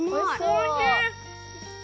おいしい！